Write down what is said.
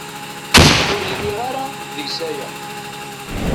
Ur nwiɣ ara deg-s aya.